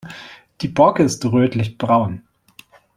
Die Borke ist rötlich-braun.